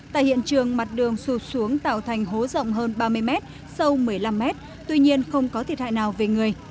tại hiện trường mặt đường sụt xuống tạo thành hố rộng hơn ba mươi m sâu một mươi năm mét tuy nhiên không có thiệt hại nào về người